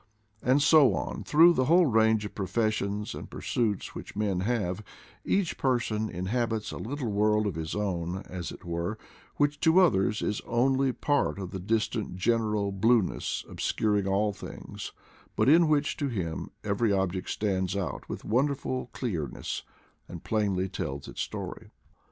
And so on through the whole range of professions and pursuits which men have ; each person inhabits a little world of his own, as it were, which to others is only part of the distant general blueness obscuring all things, but in which, to him, every object stands out with wonderful clearness, and plainly tells its story.